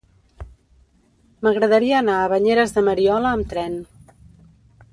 M'agradaria anar a Banyeres de Mariola amb tren.